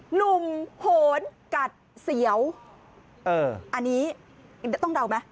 โหนกัดเสียวอันนี้ต้องเดาไหม